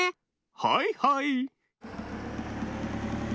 はいはい！